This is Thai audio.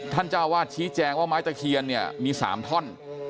เจ้าวาดชี้แจงว่าไม้ตะเคียนเนี่ยมี๓ท่อน